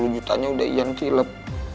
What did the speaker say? sepuluh jutanya udah yan kilap